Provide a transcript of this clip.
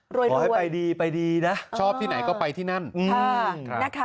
หรือไอดีชอบที่ไหนก็ไปที่นั้น